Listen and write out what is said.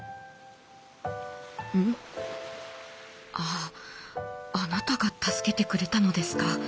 「んあああなたが助けてくれたのですか？